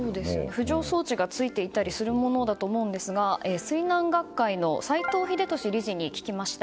浮上装置がついていたりするものだと思うんですが水難学会の斎藤秀俊理事に聞きました。